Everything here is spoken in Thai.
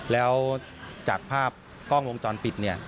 แล้วจากภาพกล้องลงจรปิด